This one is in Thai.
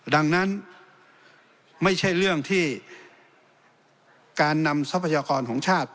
ดังนั้นไม่ใช่เรื่องที่การนำทรัพยากรของชาติ